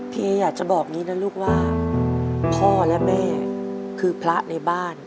อยากจะบอกอย่างนี้นะลูกว่าพ่อและแม่คือพระในบ้าน